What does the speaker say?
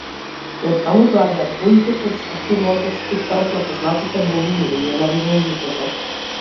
Оттаму доаѓаат боите кои отстапуваат од спектарот на познатите бои и оние на виножитото.